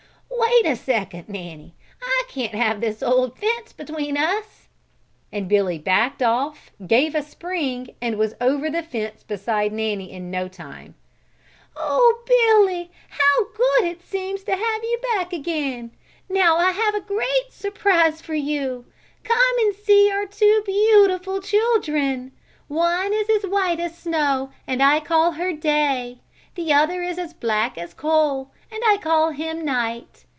"Wait a second, Nanny. I can't have this old fence between us," and Billy backed off, gave a spring and was over the fence beside Nanny in no time. "Oh! Billy, how good it seems to have you back again. Now I have a great surprise for you. Come and see our two beautiful children. One is as white as snow and her I call Day. The other is as black as a coal, and him I call Night.